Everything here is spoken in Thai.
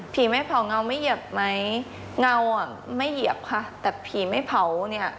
ไม่เผาเงาไม่เหยียบไหมเงาอ่ะไม่เหยียบค่ะแต่ผีไม่เผาเนี่ย